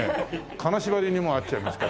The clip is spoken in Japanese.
金縛りにもう遭っちゃいました。